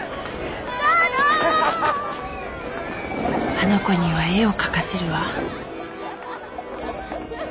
あの子には絵を描かせるわ。